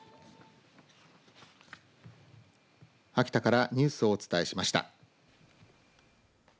秋田からニュースをお伝えしました。